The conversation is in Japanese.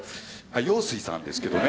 陽水さんですけどね。